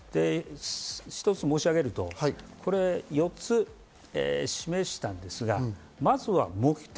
一つ申し上げると、４つ示したんですが、まずは目的。